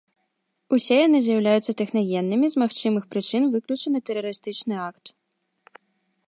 Усе яны з'яўляюцца тэхнагеннымі, з магчымых прычын выключаны тэрарыстычны акт.